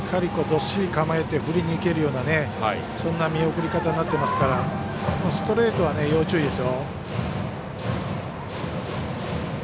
少しバッターがしっかり、どっしり構えて振りにいけるようなそんな見送り方になってますからストレートは要注意ですよ。